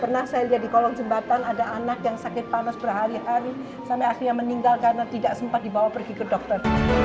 pernah saya lihat di kolong jembatan ada anak yang sakit panas berhari hari sampai akhirnya meninggal karena tidak sempat dibawa pergi ke dokter